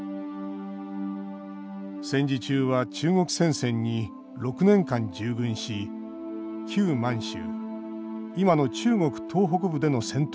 戦時中は中国戦線に６年間従軍し旧満州、今の中国東北部での戦闘に従事。